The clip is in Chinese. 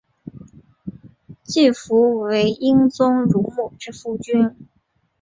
季福为英宗乳母之夫君。